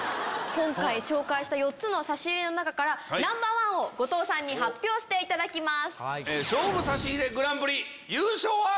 今回紹介した４つの差し入れの中からＮｏ．１を後藤さんに発表していただきます。